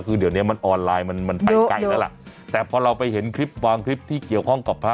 คือเดี๋ยวเนี้ยมันออนไลน์มันมันไปไกลแล้วล่ะแต่พอเราไปเห็นคลิปบางคลิปที่เกี่ยวข้องกับพระ